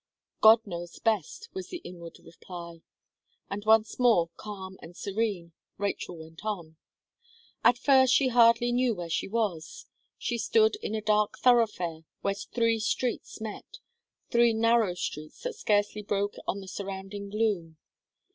"God knows best," was the inward reply, and once more calm and serene, Rachel went on. At first, she hardly knew where she was. She stood in a dark thoroughfare where three streets met three narrow streets that scarcely broke on the surrounding gloom.